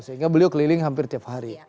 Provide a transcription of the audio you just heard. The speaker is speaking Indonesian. sehingga beliau keliling hampir tiap hari